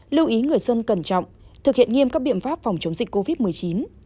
lưu ý người dân cẩn trọng thực hiện nghiêm các biện pháp phòng chống dịch covid một mươi chín